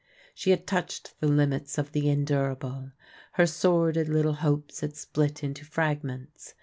She had touched the limits of the endurable ; her sor did little hopes had split into fragments.